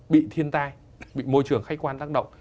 bị thiên tai bị môi trường khách quan tác động